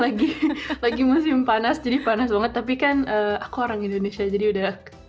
lagi lagi musim panas jadi panas banget tapi kan aku orang indonesia jadi udah